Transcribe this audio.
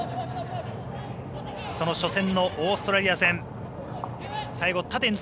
その初戦のオーストラリア戦。